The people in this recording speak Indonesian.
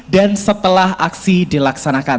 dan setelah aksi dilaksanakan